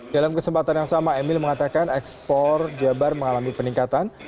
dalam kesempatan yang sama emil mengatakan ekspor jabar mengalami peningkatan